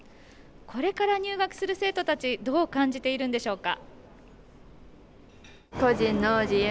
これから入学する生徒たちどう感じているのでしょうか。